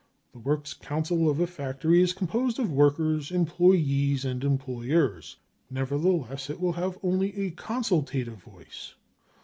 The works council of a factory is composed of workers, employees and em ployers. Nevertheless, it will have only a consultative voice.